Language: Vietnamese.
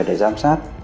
để giám sát